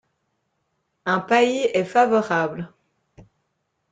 Un paillis est favorable.